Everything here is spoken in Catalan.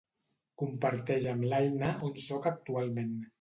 Comparteix amb l'Aina on soc actualment.